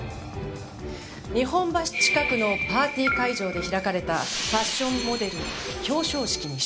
日本橋近くのパーティー会場で開かれたファッションモデルの表彰式に出席。